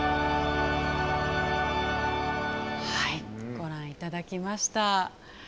ご覧いただきました。